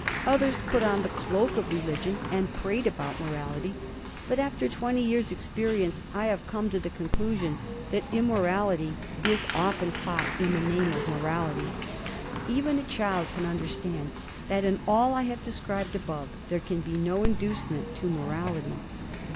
Others put on the cloak of religion, and prate about morality. But, after twenty years' experience, I have come to the conclusion that immorality is often taught in the name of morality. Even a child can understand that in all I have described above there can be no inducement to morality.